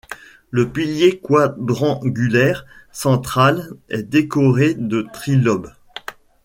Le pilier quadrangulaire central est décoré de tri-lobes.